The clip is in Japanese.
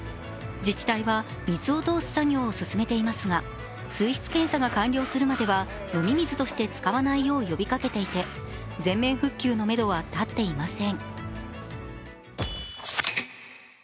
自治体は、水を通す作業を進めていますが水質検査が完了するまでは飲み水として使わないよう呼びかけていて、全面復旧のめどは立っていません。